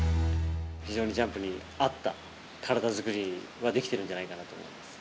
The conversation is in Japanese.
非常にジャンプに合った体作りはできてるんじゃないかなと思います。